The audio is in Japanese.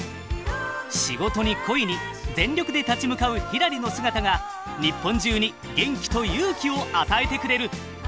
仕事に恋に全力で立ち向かうひらりの姿が日本中に元気と勇気を与えてくれる！